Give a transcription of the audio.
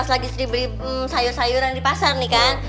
setelah sri beli sayur sayuran di pasar nih kan